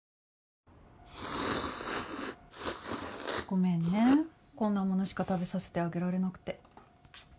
ごめんねこんなものしか食べさせてあげられなくて。